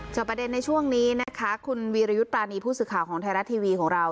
ประเด็นในช่วงนี้นะคะคุณวีรยุทธ์ปรานีผู้สื่อข่าวของไทยรัฐทีวีของเรา